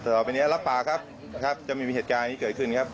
แต่ต่อไปนี้รับปากครับครับจะไม่มีเหตุการณ์นี้เกิดขึ้นครับ